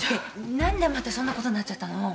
何でまたそんなことになっちゃったの？